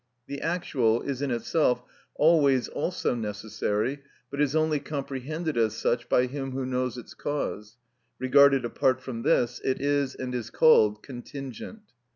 The actual is in itself always also necessary, but is only comprehended as such by him who knows its cause; regarded apart from this, it is and is called contingent.